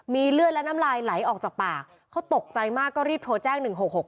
เลือดและน้ำลายไหลออกจากปากเขาตกใจมากก็รีบโทรแจ้ง๑๖๖